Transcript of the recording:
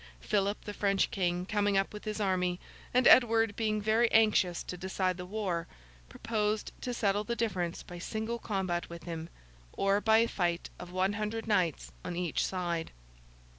Philip, the French King, coming up with his army, and Edward being very anxious to decide the war, proposed to settle the difference by single combat with him, or by a fight of one hundred knights on each side.